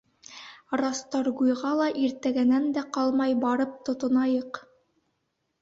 Расторгуйға ла иртәгәнән дә ҡалмай барып тотонайыҡ.